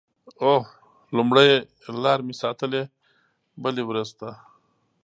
اوه…لومړۍ لاره مې ساتلې بلې ورځ ته